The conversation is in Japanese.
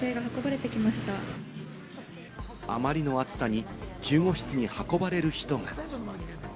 あまりの暑さに、救護室に運ばれる人が。